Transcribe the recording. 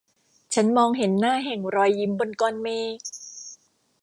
ฉันมองเห็นหน้าแห่งรอยยิ้มบนก้อนเมฆ